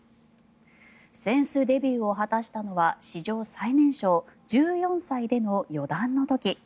扇子デビューを果たしたのは史上最年少１４歳での四段の時。